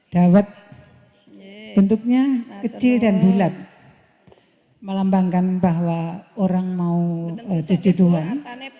dawet bentuknya kecil dan bulat melambangkan bahwa orang mau cucu doang